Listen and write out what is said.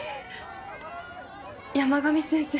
山上先生。